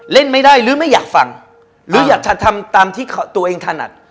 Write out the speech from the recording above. เล่นไม่ได้หรือไม่อยากฟังหรืออยากจะทำตามที่ตัวเองถนัด